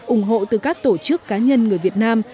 ủng hộ từ các tổ chức cá nhân người việt nam